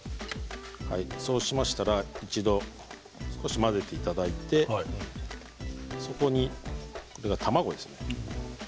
そうしましたら一度少し混ぜていただいてそこに、これが卵ですね。